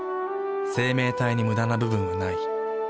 生命体にムダな部分はない。